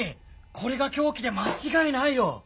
これが凶器で間違いないよ。